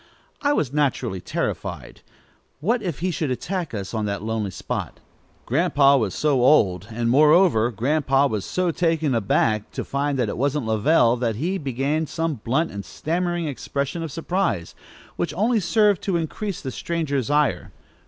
I was naturally terrified. What if he should attack us in that lonely spot! Grandpa was so old! And moreover, Grandpa was so taken aback to find that it wasn't Lovell that he began some blunt and stammering expression of surprise, which only served to increase the stranger's ire.